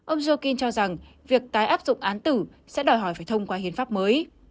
ông jokin cho rằng việc tái áp dụng án tử sẽ đòi hỏi phải thông qua hiến pháp mới